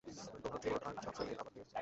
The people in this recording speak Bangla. ডোনাট লর্ড আর ঝাপসা নীল আবার ফিরে এসেছে!